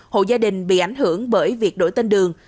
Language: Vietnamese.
hộ gia đình bị ảnh hưởng bởi việc đổi tên đường